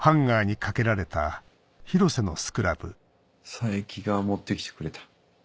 冴木が持って来てくれた。